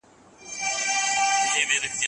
آينې ته په كتو كې څه در وشي؟